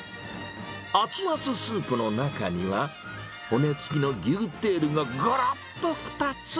熱々スープの中には、骨付きの牛テールがごろっと２つ。